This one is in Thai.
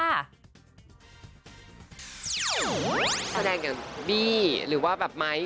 สาดแดงแบบบี่หรือว่าม้าย